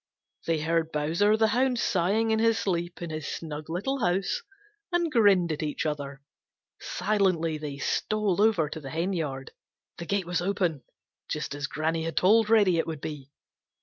They heard Bowser the Hound sighing in his sleep in his snug little house, and grinned at each other. Silently they stole over to the henyard. The gate was open, just as Granny had told Reddy it would be.